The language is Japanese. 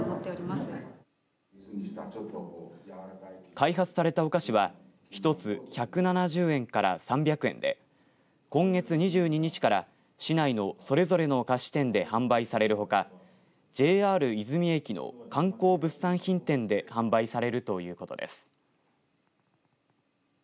開発されたお菓子は一つ１７０円から３００円で今月２２日から市内のそれぞれの菓子店で販売されるほかＪＲ出水駅の観光物産品展で販売されるということです。